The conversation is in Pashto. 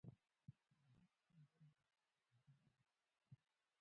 په ادب کښي باید نوښت وجود ولري.